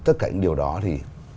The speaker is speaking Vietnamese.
tất cả những điều đó thì